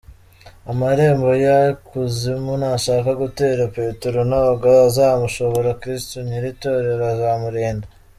Amarembo y’ikuzimu nashaka gutera Petero ntabwo azamushobora Kristo nyir’itorero azamurinda.